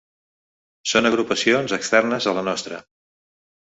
Són agrupacions externes a la nostra.